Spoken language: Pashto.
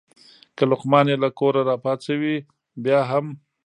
که لقمان یې له ګوره راپاڅوې بیا هم.